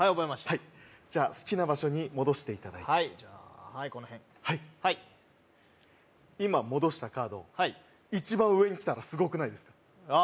はいじゃあ好きな場所に戻していただいてはいじゃあこのへんはい今戻したカードはい一番上にきたらすごくないですかああ